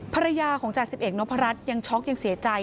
ภรรยาของจ่าสิบเอกนพรัชยังช็อกยังเสียใจ